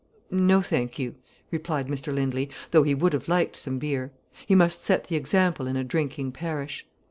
"No, thank you," replied Mr Lindley, though he would have liked some beer. He must set the example in a drinking parish.